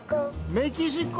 メキシコ！